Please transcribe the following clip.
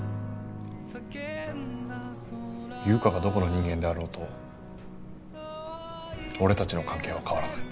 優香がどこの人間であろうと俺たちの関係は変わらない。